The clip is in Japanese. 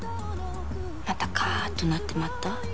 またカーッとなってまった？